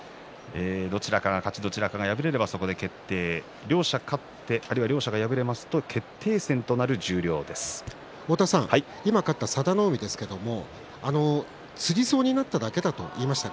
どちらかが勝ち、どちらかが敗れればそこで決定、両者勝つか両者ともに敗れますと今勝った佐田の海ですけれどもつりそうになっただけだと言いました。